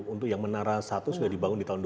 untuk yang menara satu sudah dibangun di tahun dua ribu